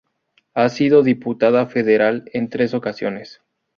Ha sido diputada federal en tres ocasiones.